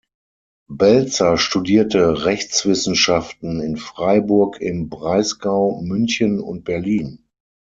Belzer studierte Rechtswissenschaften in Freiburg im Breisgau, München und Berlin.